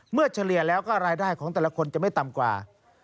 เฉลี่ยแล้วก็รายได้ของแต่ละคนจะไม่ต่ำกว่า